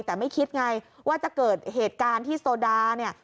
แต่ไม่คิดไงว่าจะเกิดเหตุการณ์ที่โซดาเนี่ย